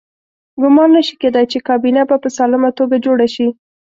ګمان نه شي کېدای چې کابینه به په سالمه توګه جوړه شي.